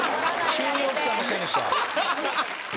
急に奥さんのせいにしたははははっ